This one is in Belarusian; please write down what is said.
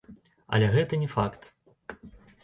Але гэта не факт.